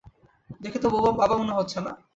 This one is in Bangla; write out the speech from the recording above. দেখে তো বাবা মনে হচ্ছে না।